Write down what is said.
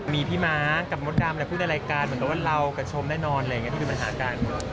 มีพี่ม้ากับมดดามอะไรพูดในรายการมันก็ว่าเรากับชมแน่นอนอะไรอย่างนี้เป็นปัญหาการ